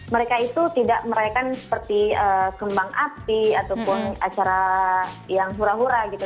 mereka itu tidak merayakan seperti kembang api ataupun acara yang hura hura gitu